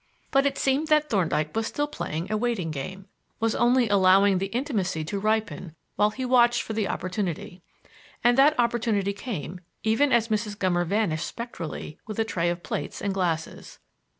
But it seemed that Thorndyke was but playing a waiting game; was only allowing the intimacy to ripen while he watched for the opportunity. And that opportunity came, even as Mrs. Gummer vanished spectrally with a tray of plates and glasses.